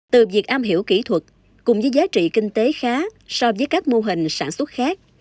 từ việc am hiểu kỹ thuật cùng với giá trị kinh tế khá so với các mô hình sản xuất khác